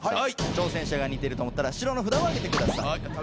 挑戦者が似ていると思ったら白の札を挙げてください。